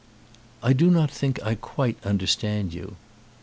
"I do not think I quite understand you."